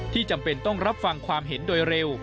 จำเป็นต้องรับฟังความเห็นโดยเร็ว